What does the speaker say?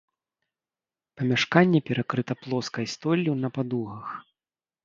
Памяшканне перакрыта плоскай столлю на падугах.